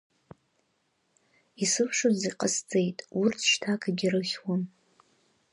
Исылшоз зегь ҟасҵеит, урҭ шьҭа акгьы рыхьуам!